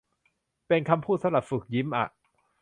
เป็นคำพูดสำหรับฝึกยิ้มอ่ะ